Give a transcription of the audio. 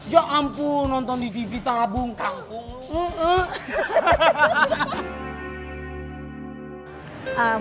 ya ampun nonton di tv tabung kangkung